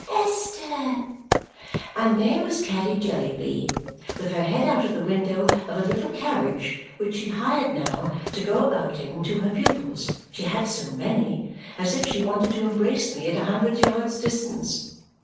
Esther!" And there was Caddy Jellyby, with her head out of the window of a little carriage which she hired now to go about in to her pupils (she had so many), as if she wanted to embrace me at a hundred yards' distance.